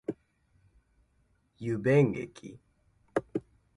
桔梗駅